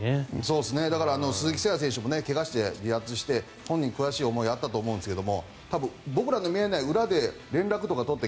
だから、鈴木誠也選手も怪我で離脱して本人、悔しい思いはあったと思いますが多分僕らの見えない裏で連絡とか取って